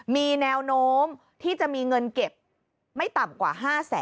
มีแนวโน้มที่จะมีเงินเก็บไม่ต่ำกว่า๕แสน